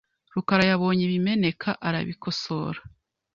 rukara yabonye ibimeneka arabikosora .